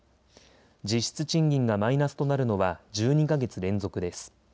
実質賃金がマイナスとなるのは１２か月連続です。